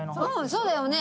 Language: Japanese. そうだよね。